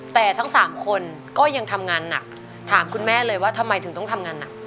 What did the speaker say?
แต่ทั้งสามคนก็ยังทำงานหนักถามคุณแม่เลยว่าทำไมถึงต้องทำงานหนัก